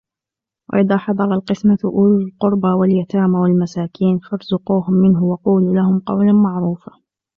وإذا حضر القسمة أولو القربى واليتامى والمساكين فارزقوهم منه وقولوا لهم قولا معروفا